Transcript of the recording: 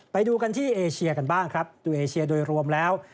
ไปดูกันที่เอเชียกันบ้างครับดูเอเชียโดยรวมแล้ว